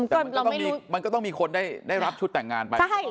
อื้อฮือนะมันก็ต้องมีคนได้รับชุดแต่งงานไป